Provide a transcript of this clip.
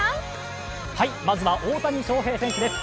まずは大谷翔平選手です。